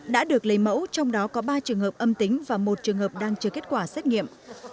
đã được lấy mẫu trong đó có ba trường hợp âm tính và một trường hợp đang chờ kết quả xét nghiệm